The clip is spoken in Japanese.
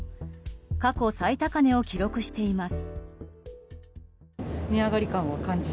過去最高値を記録しています。